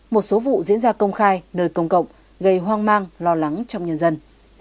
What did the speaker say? một số vụ diễn ra công khai nơi công cộng gây hoang mang lo lắng trong nhân dân